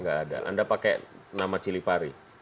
nggak ada anda pakai nama cilipari